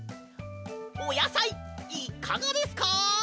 おやさいいかがですか？